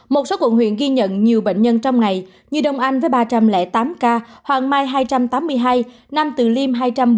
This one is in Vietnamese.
một số quận huyện ghi nhận nhiều bệnh nhân trong ngày như đông anh với ba trăm linh tám ca hoàng mai hai trăm tám mươi hai nam từ liêm hai trăm bốn mươi